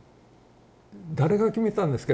誰が決めたんですか？